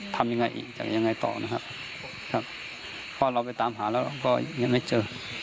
ทำยังไงอีกจะยังไงต่อนะครับครับเพราะเราไปตามหาแล้วเราก็ยังไม่เจอ